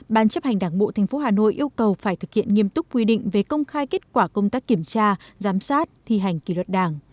ban chấp hành đảng bộ tp hà nội yêu cầu phải thực hiện nghiêm túc quy định về công khai kết quả công tác kiểm tra giám sát thi hành kỷ luật đảng